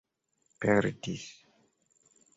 perdis